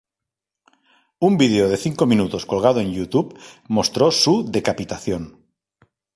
Un vídeo de cinco minutos colgado en Youtube mostró su decapitación.